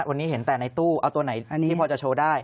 วันนี้เห็นแต่ในตู้เอาตัวไหนที่พอจะโชว์ได้